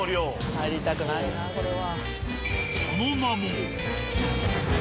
入りたくないなこれは。